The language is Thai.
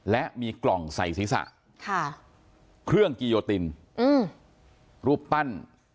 และมีกล่องใส่ศีรษะเครื่องกิโยตินรูปปั้น